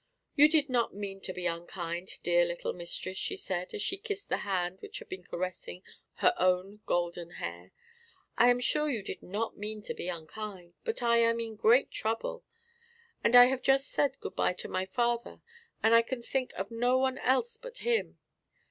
"You did not mean to be unkind, dear little mistress," she said, as she kissed the hand which had been caressing her own golden hair. "I am sure you did not mean to be unkind; but I am in great trouble, and I have just said 'Good bye' to my father, and I can think of no one else but him.